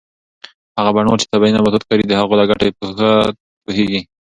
هغه بڼوال چې طبي نباتات کري د هغوی له ګټو په ښه پوهیږي.